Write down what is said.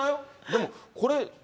でもこれ。